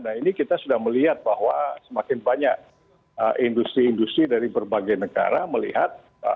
nah ini kita sudah melihat bahwa semakin banyak industri industri dari berbagai negara melihat